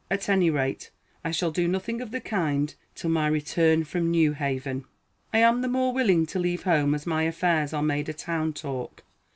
At any rate, I shall do nothing of the kind till my return from New Haven. I am the more willing to leave home as my affairs are made a town talk.